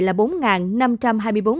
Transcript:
số bệnh nhân khỏi bệnh